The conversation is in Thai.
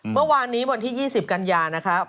เมื่อวานนี้วันที่๒๐กันยานะครับ